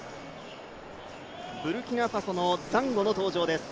ブルキナファソのザンゴの登場です。